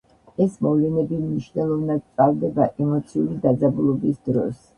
ეს მოვლენები მნიშვნელოვნად მწვავდება ემოციური დაძაბულობის დროს.